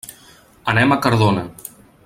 Anem a Cardona.